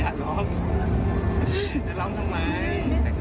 อะไรของคุณเนี่ย